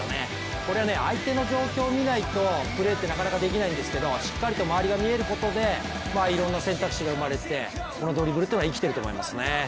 これは相手の状況を見ないとプレーってなかなかできないんですけどしっかりと周りが見えることでいろんな選択肢が生まれてこのドリブルは生きてると思いますね。